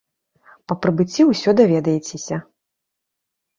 Па прыбыцці ўсё даведаецеся.